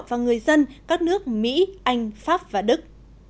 và người dân các nước mỹ anh pháp và đức